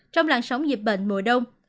trong làn sóng dịp bệnh mùa đông